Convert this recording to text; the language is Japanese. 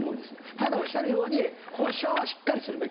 ただおっしゃるように補償はしっかりするべき。